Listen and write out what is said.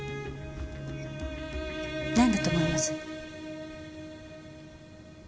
なんだと思います？